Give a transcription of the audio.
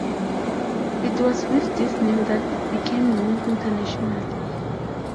It was with this name that it became known internationally.